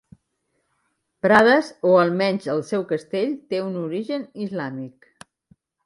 Prades o almenys el seu castell té un origen islàmic.